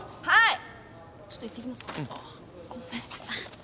はい。